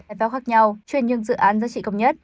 đề pháp khác nhau chuyên nhân dự án giá trị công nhất